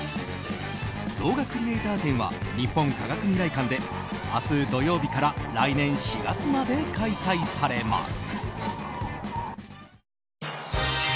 動画クリエイター展は日本科学未来館で明日土曜日から来年４月まで開催されます。